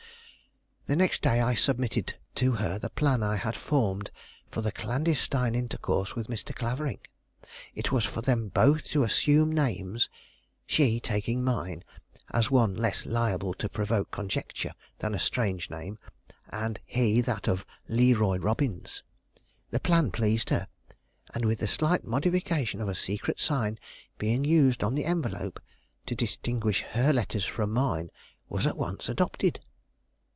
The next day I submitted to her the plan I had formed for her clandestine intercourse with Mr. Clavering. It was for them both to assume names, she taking mine, as one less liable to provoke conjecture than a strange name, and he that of LeRoy Robbins. The plan pleased her, and with the slight modification of a secret sign being used on the envelope, to distinguish her letters from mine, was at once adopted.